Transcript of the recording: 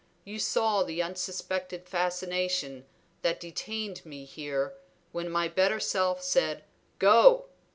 You saw the unsuspected fascination that detained me here when my better self said 'Go.'